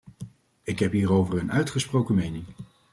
Ik heb hierover een uitgesproken mening.